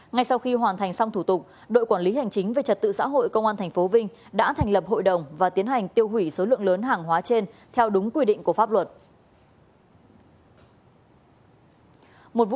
ngay sau khi hoàn thành xong thủ tục đội quản lý hành chính về trật tự xã hội công an tp vinh đã thành lập hội đồng và tiến hành tiêu hủy số lượng lớn hàng hóa trên theo đúng quy định của pháp luật